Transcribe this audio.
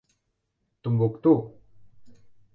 Tombouctou!